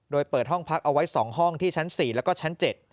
โดยเปิดห้องพักเอาไว้๒ห้องที่ชั้น๔แล้วก็ชั้น๗